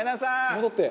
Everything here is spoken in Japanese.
「戻って！」